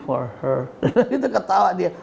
for her itu ketawa dia